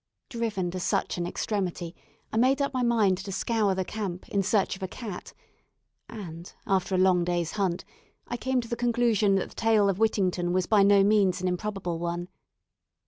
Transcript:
Driven to such an extremity, I made up my mind to scour the camp, in search of a cat, and, after a long day's hunt, I came to the conclusion that the tale of Whittington was by no means an improbable one.